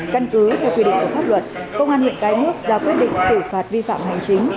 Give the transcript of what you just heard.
căn cứ theo quy định của pháp luật công an huyện cái nước ra quyết định xử phạt vi phạm hành chính